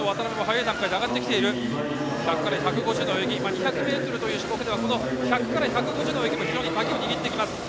２００ｍという種目では１００から１５０の泳ぎも非常に鍵を握ってきます。